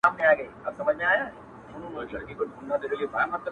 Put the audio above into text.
ميني نازك نوم دي تر گواښ لاندي دى پام پرې كـوه،